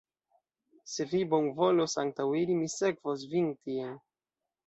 Se vi bonvolos antaŭiri, mi sekvos vin tien.